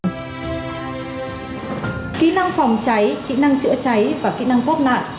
kỹ năng phòng cháy kỹ năng chữa cháy và kỹ năng thoát nạn